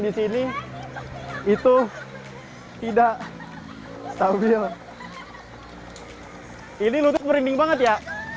disini itu tidak stabil ini lutut merinding banget ya